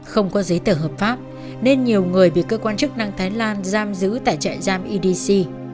không có giấy tờ hợp pháp nên nhiều người bị cơ quan chức năng thái lan giam giữ tại trại giam idc